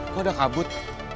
kok udah kabut